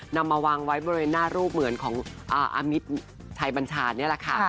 นำมาวางไว้บริเวณหน้ารูปเหมือนของอามิตรชัยบัญชานี่แหละค่ะ